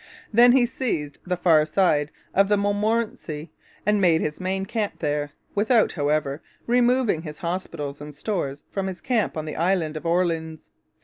Then he seized the far side of the Montmorency and made his main camp there, without, however, removing his hospitals and stores from his camp on the island of Orleans.